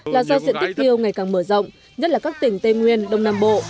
là do diện tích tiêu ngày càng mở rộng nhất là các tỉnh tây nguyên đông nam bộ